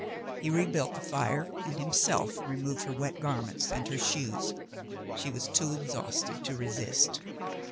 He rebuilt the fire and himself removed her wet garments and her shoes. She was too exhausted to resist.